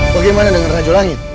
bagaimana dengan rajo langit